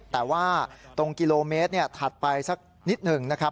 แต่ว่าตรงกิโลเมตรถัดไปสักนิดหนึ่งนะครับ